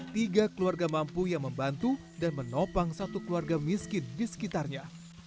tiga keluarga mampu yang membantu dan menopang satu keluarga miskin di sekitarnya